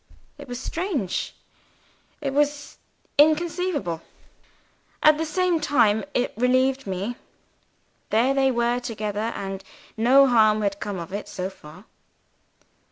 It was strange, it was inconceivable. At the same time it relieved me. There they were together, and no harm had come of it, so far.